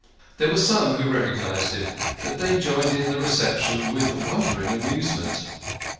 There were some who recognised him, but they joined in the reception with wondering amuse ment.